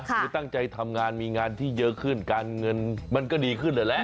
ช่างใจทำงานมีงานที่เยอะขึ้นการเงินมันก็ดีขึ้นอีกแล้ว